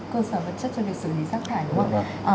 cơ sở vật chất cho việc xử lý rác thải đúng không ạ